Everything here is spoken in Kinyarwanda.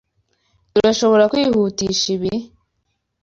Turashobora kwihutisha ibi?